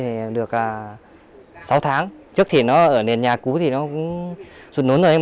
và sáu tháng trước thì nó ở nền nhà cũ thì nó cũng sụt lún rồi